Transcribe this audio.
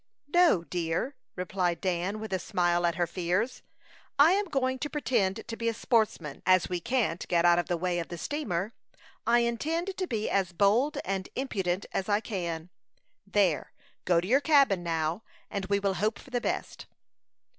"No, dear," replied Dan, with a smile at her fears; "I am going to pretend to be a sportsman. As we can't get out of the way of the steamer, I intend to be as bold and impudent as I can. There, go to your cabin now, and we will hope for the best."